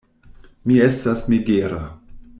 Mi estas megera.